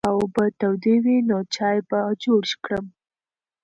که اوبه تودې وي نو چای به جوړ کړم.